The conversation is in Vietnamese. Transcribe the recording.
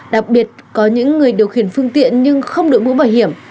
đặc biệt có những người điều khiển phương tiện nhưng không được ngũ bảo hiểm